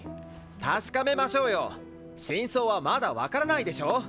確かめましょうよ真相はまだ分からないでしょ。